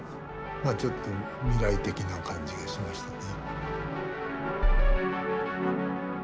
まあちょっと未来的な感じがしましたね。